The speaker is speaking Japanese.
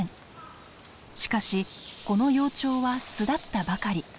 しかしこの幼鳥は巣立ったばかり。